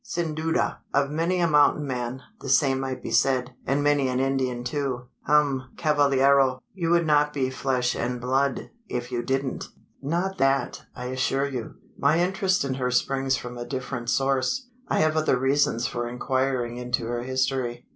"Sin duda! Of many a mountain man, the same might be said; and many an Indian too. Hum! cavallero! you would not be flesh and blood, if you didn't." "Not that, I assure you. My interest in her springs from a different source. I have other reasons for inquiring into her history."